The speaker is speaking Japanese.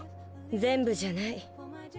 全部じゃない。